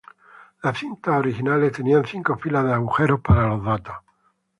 Las cintas originales tenían cinco filas de agujeros para los datos.